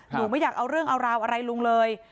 หนูไม่อยากเอาเรื่องเอาราวอะไรลุงเลย